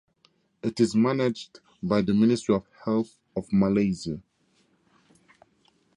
It is managed by the Ministry of Health of Malaysia.